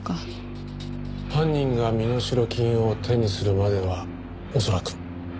犯人が身代金を手にするまでは恐らく。